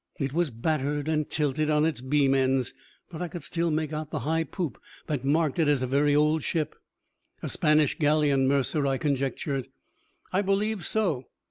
It was battered and tilted on its beam ends, but I could still make out the high poop that marked it as a very old ship. "A Spanish galleon, Mercer," I conjectured. "I believe so."